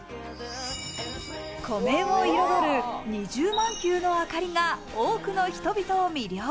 湖面を彩る２０万球の明かりが多くの人々を魅了。